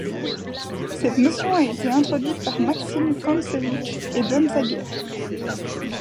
Cette notion a été introduite par Maxim Kontsevich et Don Zagier.